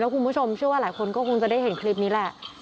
คุณผู้ชมเชื่อว่าหลายคนก็คงจะได้เห็นคลิปนี้แหละ